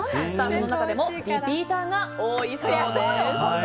スタッフの中でもリピーターが多いそうです。